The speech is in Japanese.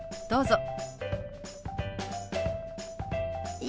どうぞ。